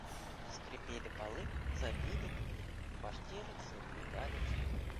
Заскрипели полы, запели двери, в квартирах задвигали стульями.